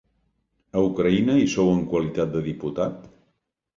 A Ucraïna, hi sou en qualitat de diputat?